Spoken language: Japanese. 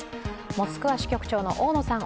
モスクワ支局長の大野さん